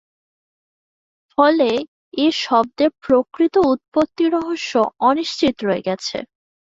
ফলে, এ শব্দের প্রকৃত উৎপত্তি রহস্য অনিশ্চিত রয়ে গেছে।